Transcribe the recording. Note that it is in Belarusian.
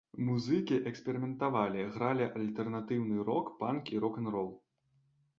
Музыкі эксперыментавалі, гралі альтэрнатыўны рок, панк і рок-н-рол.